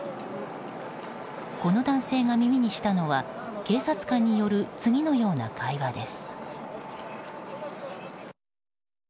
この男性が耳にしたのは警察官による次のような会話です。